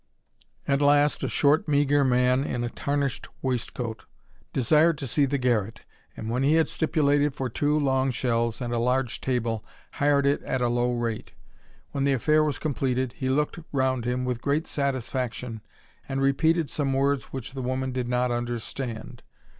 At last, a short meagre man, in a tarnished waistcoat, desired to see the garret, and, when he had stipulated for two long shelves, and a large table, hired it at a low rate. When the affair was completed, he looked round him with great satisfaction, and repeated some words which the woman did not understand.